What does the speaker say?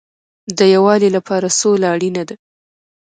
د یووالي لپاره سوله اړین ده